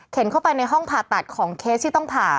เข้าไปในห้องผ่าตัดของเคสที่ต้องผ่า